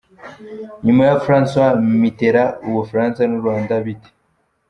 Nyuma ya François Mitterand, u Bufaransa n’u Rwanda bite?.